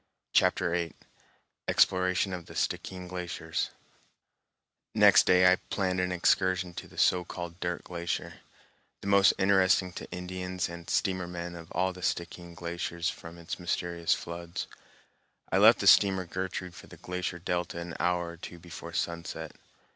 Chapter VIII Exploration of the Stickeen Glaciers Next day I planned an excursion to the so called Dirt Glacier, the most interesting to Indians and steamer men of all the Stickeen glaciers from its mysterious floods. I left the steamer Gertrude for the glacier delta an hour or two before sunset.